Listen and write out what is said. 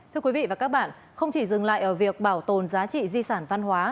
thưa quý vị và các bạn không chỉ dừng lại ở việc bảo tồn giá trị di sản văn hóa